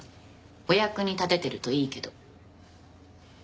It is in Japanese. お役に立ててるといいけど。